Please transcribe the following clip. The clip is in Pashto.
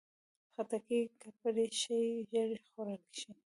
خټکی که پرې شي، ژر خوړل شي.